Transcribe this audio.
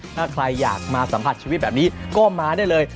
ถ้าใครอยากมาสัมผัสชีวิตแบบนี้ก็มาได้เลย